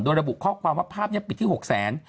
โดยระบุข้อความว่าภาพปิดที่๖๐๐๐๐๐บาท